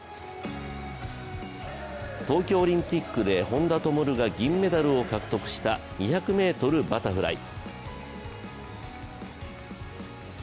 東京オリンピックで本多灯が銀メダルを獲得した２００ｍバタフライ。